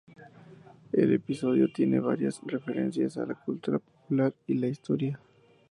El episodio tiene varias referencias a la cultura popular y la historia.